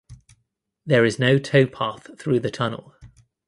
There is no towpath through the tunnel.